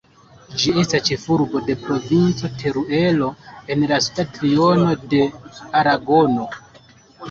Ĝi estas ĉefurbo de Provinco Teruelo en la suda triono de Aragono.